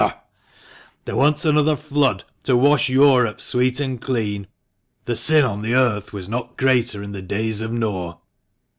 Ugh ! There wants another flood to wash Europe sweet and clean. The sin on the earth was not greater in the days of Noah